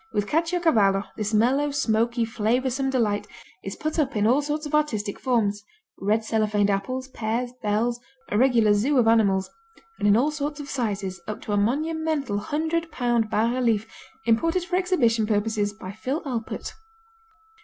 With Caciocavallo, this mellow, smoky flavorsome delight is put up in all sorts of artistic forms, red cellophaned apples, pears, bells, a regular zoo of animals, and in all sorts of sizes, up to a monumental hundred pound bas relief imported for exhibition purposes by Phil Alpert.